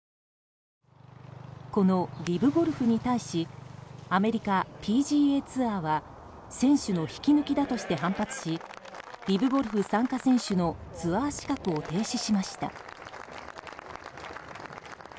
このリブゴルフに対しアメリカＰＧＡツアーは選手の引き抜きだとして反発しリブゴルフ参加選手のツアー資格を停止しました。